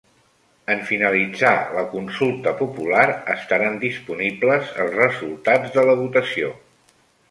En finalitzar la consulta popular estaran disponibles els resultats de la votació